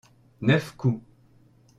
neuf coups.